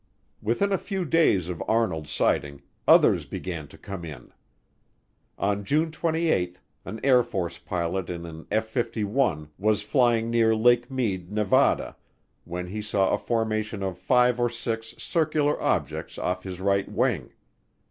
Within a few days of Arnold's sighting, others began to come in. On June 28 an Air Force pilot in an F 51 was flying near Lake Mead, Nevada, when he saw a formation of five or six circular objects off his right wing.